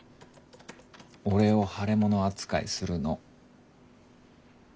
俺を腫れもの扱いするの。